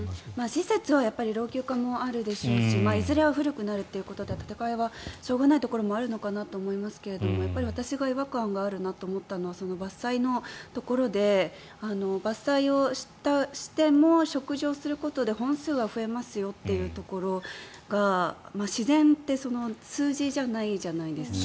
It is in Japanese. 施設は老朽化もあるでしょうしいずれは古くなるので建て替えはしょうがないところはあるのかなと思いますが私が違和感があるなと思ったのは伐採のところで伐採をしても植樹をすることで本数は増えますよというところが自然って数字じゃないじゃないですか。